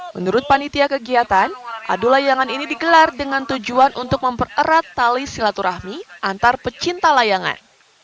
menurut panitia kegiatan adu layangan ini digelar dengan tujuan untuk mempererat tali silaturahmi antar pecinta layangan